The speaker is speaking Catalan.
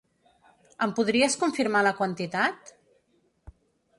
Em podries confirmar la quantitat?